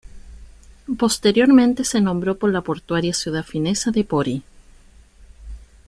Posteriormente se nombró por la portuaria ciudad finesa de Pori.